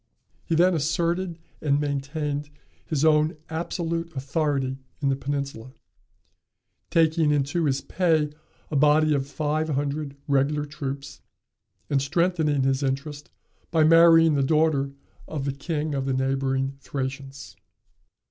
He then asserted and maintained his own absolute authority in the peninsula, taking into his pay a body of five hundred regular troops, and strengthening his interest by marrying the daughter of the king of the neighboring Thracians.